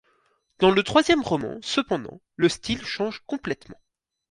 Dans le troisième roman, cependant, le style change complètement.